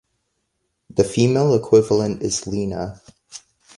The female equivalent is Lina.